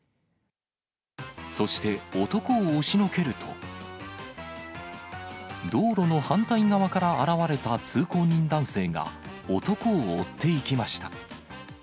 そして男を押しのけると、道路の反対側から現れた通行人男性が、男を追っていきました。